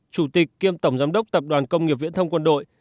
chủ tịch kiêm tổng giám đốc tập đoàn công nghiệp viễn thông quân đội